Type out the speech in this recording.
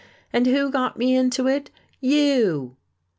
And who got me into it? You!"